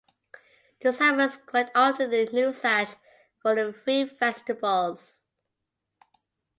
This happens quite often in the nusach for the Three Festivals.